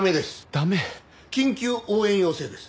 駄目？緊急応援要請です。